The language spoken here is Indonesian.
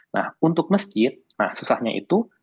nah untuk masjid nah susahnya itu